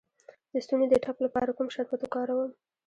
د ستوني د ټپ لپاره کوم شربت وکاروم؟